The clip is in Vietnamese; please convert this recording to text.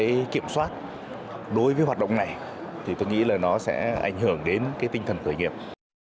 cái kiểm soát đối với hoạt động này thì tôi nghĩ là nó sẽ ảnh hưởng đến cái tinh thần khởi nghiệp